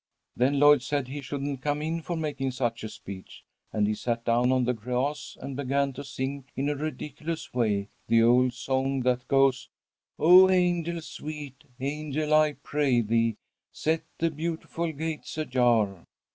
"' "Then Lloyd said he shouldn't come in for making such a speech, and he sat down on the grass and began to sing in a ridiculous way, the old song that goes: "'Oh, angel, sweet angel, I pray thee Set the beautiful gates ajar.'